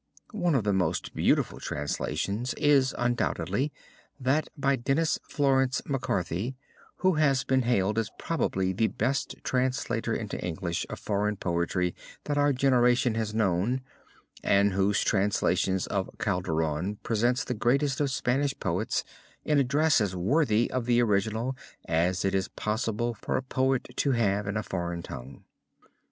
One of the most beautiful translations is undoubtedly that by Denis Florence MacCarthy, who has been hailed as probably the best translator into English of foreign poetry that our generation has known, and whose translations of Calderon present the greatest of Spanish poets, in a dress as worthy of the original as it is possible for a poet to have in a foreign tongue.